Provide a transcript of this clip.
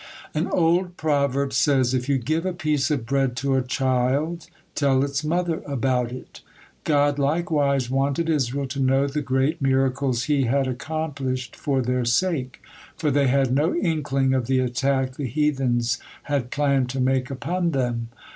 An old proverb says: "If you give a piece of bread to a child, tell its mother about it." God, likewise, wanted Israel to know the great miracles He had accomplished for their sake, for they had no inkling of the attack the heathens had planned to make upon them.